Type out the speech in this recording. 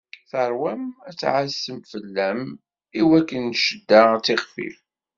Tarwa-m ad ɛassen fell-am, i wakken cedda ad tixfif.